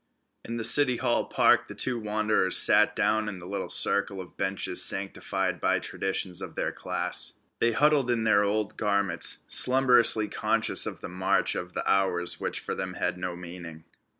In the City Hall Park the two wanderers sat down in the little circle of benches sanctified by traditions of their class. They huddled in their old garments, slumbrously conscious of the march of the hours which for them had no meaning.